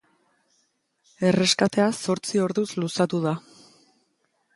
Erreskatea zortzi orduz luzatu da.